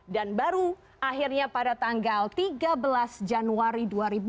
dan baru akhirnya pada tanggal tiga belas januari dua ribu dua puluh satu